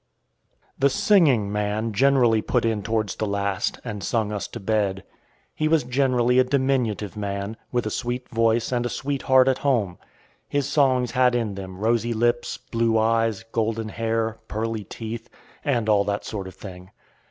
The Singing man generally put in towards the last, and sung us to bed. He was generally a diminutive man, with a sweet voice and a sweetheart at home. His songs had in them rosy lips, blue eyes, golden hair, pearly teeth, and all that sort of thing.